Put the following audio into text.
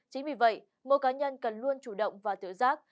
chính vì vậy mỗi cá nhân cần luôn chủ động và tự giác